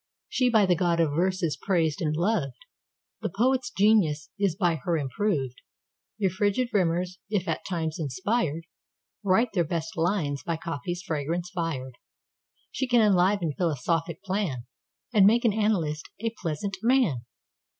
She by the god of verse is praised and loved; The poet's genius is by her improved. Your frigid rimers, if at times inspired, Write their best lines by coffee's fragrance fired. She can enliven philosophic plan, And make an analyst a pleasant man.